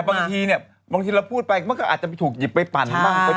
บางทีเนี่ยบางทีเราพูดไปมันก็อาจจะไปถูกหยิบไปปั่นบ้าง